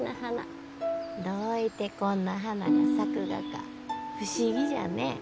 どういてこんな花が咲くがか不思議じゃね。